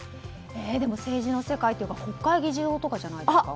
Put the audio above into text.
政治の世界なので国会議事堂とかじゃないですか？